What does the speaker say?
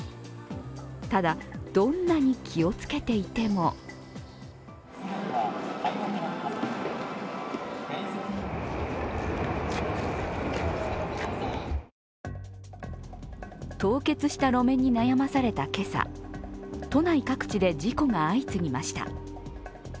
ただ、どんなに気をつけていても凍結した路面に悩まされた今朝、都内各地で事故が相次ぎました。